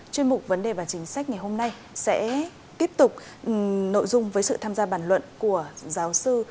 chuyên mục vấn đề và chính sách ngày hôm nay sẽ tiếp tục nội dung với sự tham gia bàn luận của giáo sư